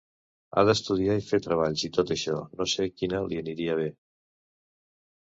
Ha d'estudiar i fer treballs i tot això, no sé quina li aniria bé.